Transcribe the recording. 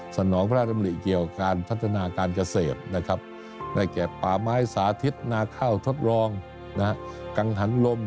สนองพระราชบรรณมลิเกียจ